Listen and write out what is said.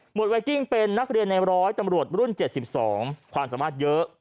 ไวกิ้งเป็นนักเรียนในร้อยตำรวจรุ่น๗๒ความสามารถเยอะ